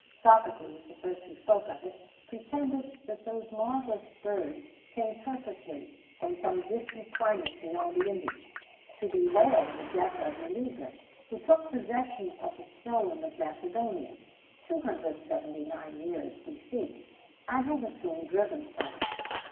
Sophocles, the first who spoke of it, pretended that those marvellous birds came purposely from some distant climate beyond the Indies, to bewail the death of Meleager, who took possession of the throne of Macedonia (279 years B.C.), and who was soon driven from it.